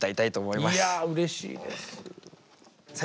いやうれしいです。